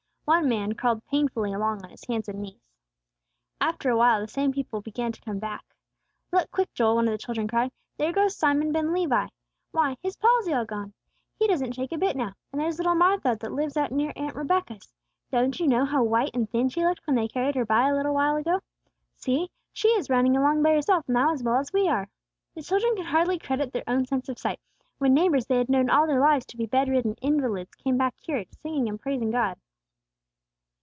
One man crawled painfully along on his hands and knees. After awhile the same people began to come back. "Look, quick, Joel!" one of the children cried; "there goes Simon ben Levi. Why, his palsy is all gone! He doesn't shake a bit now! And there's little Martha that lives out near Aunt Rebecca's! Don't you know how white and thin she looked when they carried her by a little while ago? See! she is running along by herself now as well as we are!" The children could hardly credit their own sense of sight, when neighbors they had known all their lives to be bed ridden invalids came back cured, singing and praising God.